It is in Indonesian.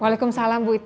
waalaikumsalam bu ita